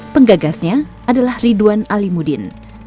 penggagasnya adalah ridwan alimuddin